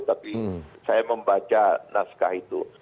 tapi saya membaca naskah itu